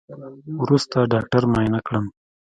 وروسته ډاکتر معاينه کړم.